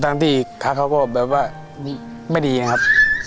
ที่ขาเขาก็แบบว่าไม่ดีนะครับ